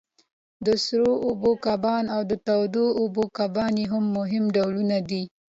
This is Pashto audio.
د سړو اوبو کبان او د تودو اوبو کبان یې مهم ډولونه دي.